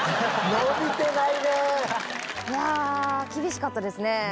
いやあ厳しかったですね。